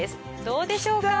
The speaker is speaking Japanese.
どうでしょうか？